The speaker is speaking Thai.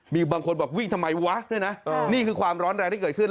มีบางคนบอกวิ่งทำไมวะเนี่ยนะนี่คือความร้อนแรงที่เกิดขึ้น